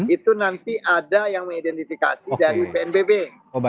itu nanti ada yang mengidentifikasi dari pnbb